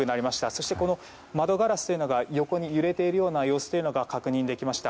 そして、窓ガラスというのが横に揺れている様子が確認できました。